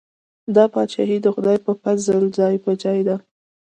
دا پاچاهي د خدای په پزل جای په جای ده.